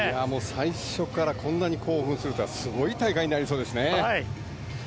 最初からこんなに興奮するとはすごい大会になりそうですね。